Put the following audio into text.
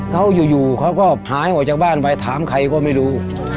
เขาอยู่เขาก็หายออกจากบ้านไปถามใครก็ไม่รู้